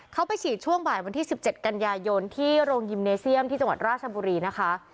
เขาไปฉีดช่วงบ่ายวันที่๑๗กันยายนที่โรงยิมเนเซียมที่จังหวัดราชบุรีนะคะ